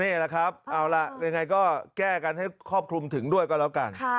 นี่แหละครับเอาล่ะยังไงก็แก้กันให้ครอบคลุมถึงด้วยก็แล้วกัน